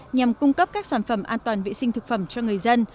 nhằm cung cấp các sản phẩm an toàn vệ sinh thực phẩm cho người dân